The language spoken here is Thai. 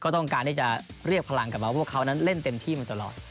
เขาต้องการได้จะเรียกพลังกับว่าเป็นคนเล่นเต็มที่ทำตลอด